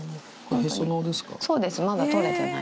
そうです、まだ取れてない。